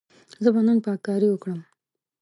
زه به نن پاککاري وکړم.